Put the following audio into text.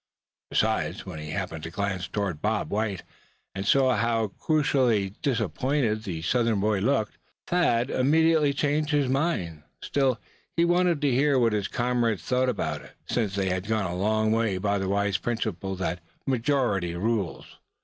Besides, when he happened to glance toward Bob White, and saw how cruelly disappointed the Southern boy looked, Thad immediately changed his mind. Still, he wanted to hear what his comrades thought about it; since they had long gone by the wise principle that majority rules.